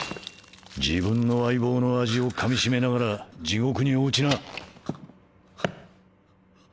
自分の相棒の味をかみしめながら地獄に落ちな。